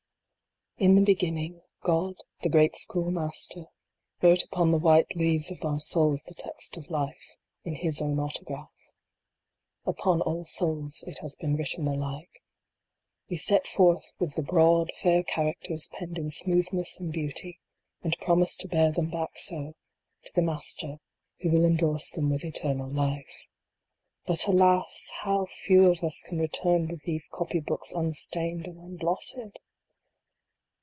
T N the Beginning, God, the great Schoolmaster, wrote upon the white leaves of our souls the text of life, in His own autograph. Upon all souls it has been written alike. We set forth with the broad, fair characters penned in smoothness and beauty, and promise to bear them back so, to the Master, who will endorse them with eternal life. But, alas ! how few of us can return with these copy books unstained and unblotted